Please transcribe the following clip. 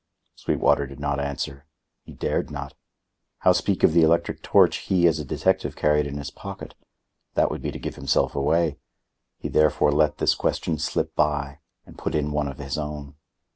Sweetwater did not answer. He dared not. How speak of the electric torch he as a detective carried in his pocket? That would be to give himself away. He therefore let this question slip by and put in one of his own.